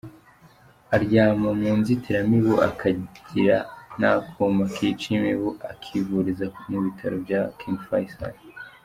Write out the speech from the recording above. Aryama mu nzitiramibu, akagira n’akuma kica imibu, akivuriza mu bitaro bya King Faisal.